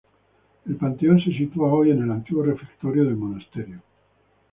El panteón se sitúa hoy en el antiguo refectorio del monasterio.